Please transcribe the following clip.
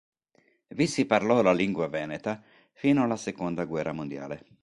Vi si parlò la lingua veneta fino alla seconda guerra mondiale.